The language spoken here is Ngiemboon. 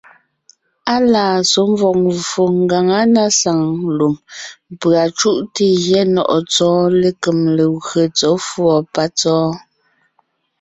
Á laa tsɔ̌ mvɔ̀g mvfò ngaŋá na saŋ lùm, pʉ̀a cúʼte gyɛ́ nɔ̀ʼɔ Tsɔ́ɔn lékem legwé tsɔ̌ fʉ̀ɔ patsɔ́ɔn.